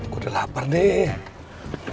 gue udah lapar deh